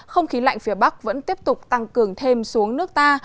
không khí lạnh phía bắc vẫn tiếp tục tăng cường thêm xuống nước ta